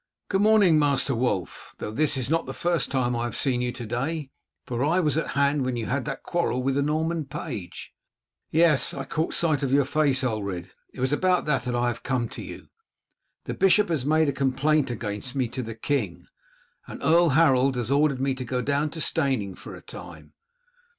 "Good morning, Master Wulf; though this is not the first time I have seen you today, for I was at hand when you had that quarrel with the Norman page." "Yes, I caught sight of your face, Ulred. It was about that I have come to you. The bishop has made complaint against me to the king, and Earl Harold has ordered me to go down to Steyning for a time.